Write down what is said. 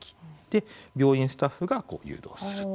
で、病院スタッフが誘導すると。